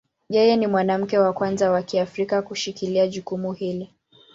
Yeye ni mwanamke wa kwanza wa Kiafrika kushikilia jukumu hili.